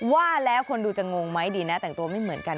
ว่าแล้วคนดูจะงงไหมดีนะแต่งตัวไม่เหมือนกัน